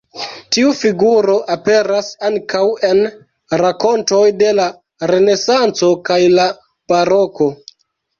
Tiu figuro aperas ankaŭ en rakontoj de la Renesanco kaj la Baroko.